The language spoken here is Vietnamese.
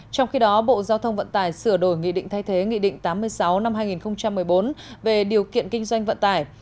trong khi đó bộ giao thông vận tải sửa đổi nghị định thay thế nghị định tám mươi sáu năm hai nghìn một mươi bốn về điều kiện kinh doanh vận tải